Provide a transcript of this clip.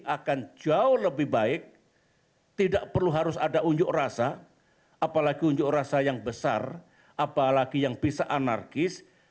akan jauh lebih baik tidak perlu harus ada unjuk rasa apalagi unjuk rasa yang besar apalagi yang bisa anarkis